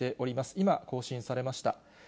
今、更新されました。